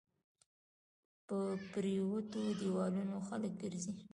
په پريوتو ديوالونو خلک ګرځى